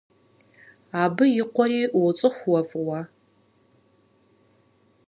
Абы и къуэри уоцӏыху уэ фӏыуэ.